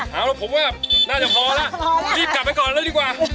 เอาแล้วผมว่าน่าจะพอแล้วรีบกลับไปก่อนแล้วดีกว่า